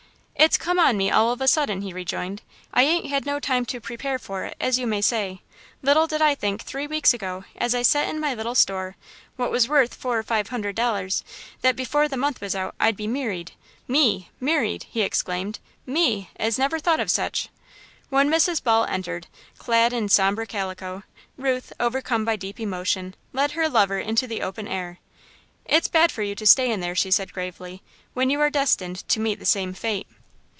"It's come on me all of a sudden," he rejoined. "I ain't had no time to prepare for it, as you may say. Little did I think, three weeks ago, as I set in my little store, what was wuth four or five hundred dollars, that before the month was out, I'd be merried. Me! Merried!" he exclaimed, "Me, as never thought of sech!" When Mrs. Ball entered, clad in sombre calico, Ruth, overcome by deep emotion, led her lover into the open air. "It's bad for you to stay in there," she said gravely, "when you are destined to meet the same fate."